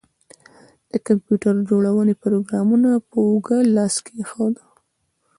د کمپیوټر جوړونکي د پروګرامر په اوږه لاس کیښود